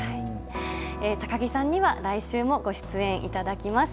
高木さんには来週もご出演いただきます。